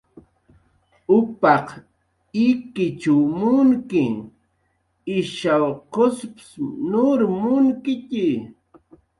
Upaq ikichw munki, ishaw qusp nur munkitxi